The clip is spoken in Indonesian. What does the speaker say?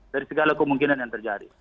dari segala kemungkinan yang terjadi